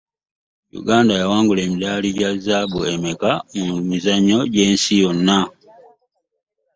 Uganda ya wangula emidali gya zzaabu emeka mu mizannyo gye nsi yonna?